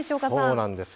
そうなんです。